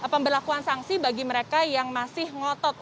pembelakuan sanksi bagi mereka yang masih ngotot